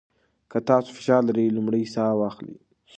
که تاسو فشار لرئ، لومړی ساه واخلئ.